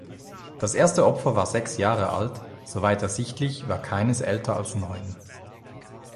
Das erste Opfer war sechs Jahre alt, soweit ersichtlich, war keines älter als neun.